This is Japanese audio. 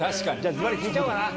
ずばり聞いちゃおうかな。